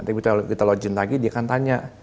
jadi kalau kita simpan nanti kita login lagi dia akan tanya